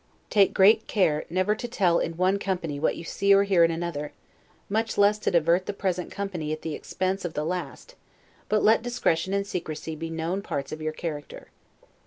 Take great care never to tell in one company what you see or hear in another, much less to divert the present company at the expense of the last; but let discretion and secrecy be known parts of your character.